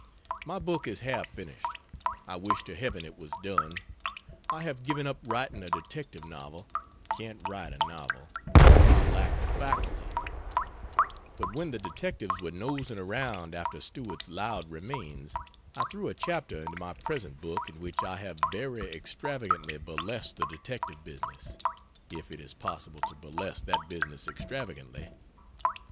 My book is half finished; I wish to heaven it was done. I have given up writing a detective novel can't write a novel, for I lack the faculty; but when the detectives were nosing around after Stewart's loud remains, I threw a chapter into my present book in which I have very extravagantly burlesqued the detective business if it is possible to burlesque that business extravagantly.